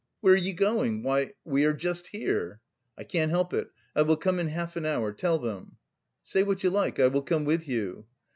"Where are you going? Why, we are just here." "I can't help it.... I will come in half an hour. Tell them." "Say what you like, I will come with you."